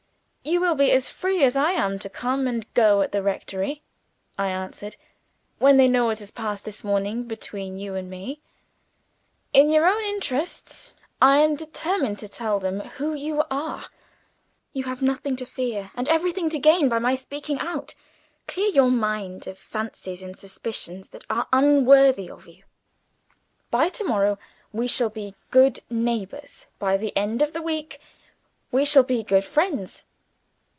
"You will be as free as I am to come and to go at the rectory," I answered, "when they know what has passed this morning between you and me. In your own interests, I am determined to tell them who you are. You have nothing to fear, and everything to gain, by my speaking out. Clear your mind of fancies and suspicions that are unworthy of you. By to morrow we shall be good neighbors; by the end of the week we shall be good friends.